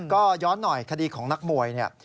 ก็ย้อนหน่อยคดีของนักมวย